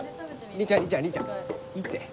凛ちゃん凛ちゃん凛ちゃんいいって。